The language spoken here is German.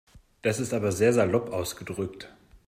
Das ist aber sehr salopp ausgedrückt.